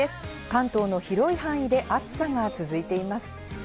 関東の広い範囲で暑さが続いています。